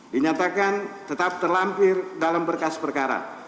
dinyatakan tetap terlampir dalam berkas perkara